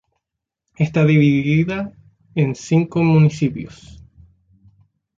Está dividida en cinco municipios.